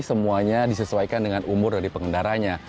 semuanya disesuaikan dengan umur dari pengendaranya